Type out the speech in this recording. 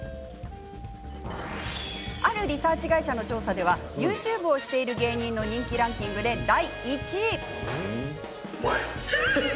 あるリサーチ会社の調査ではＹｏｕＴｕｂｅをしている芸人の人気ランキングで第１位。